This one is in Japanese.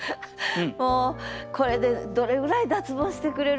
もうこれでどれぐらい脱ボンしてくれるかな？